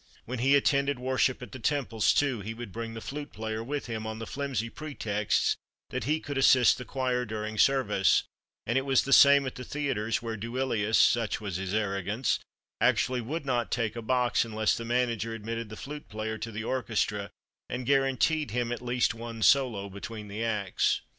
When he attended worship at the temples, too, he would bring the flute player with him, on the flimsy pretext that he could assist the choir during service; and it was the same at the theatres, where Duilius such was his arrogance actually would not take a box unless the manager admitted the flute player to the orchestra and guaranteed him at least one solo between the acts.